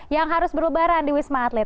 yang harus berlebaran di wisma atlet